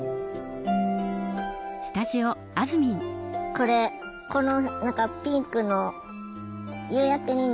これこの何かピンクの夕焼けになりつつの。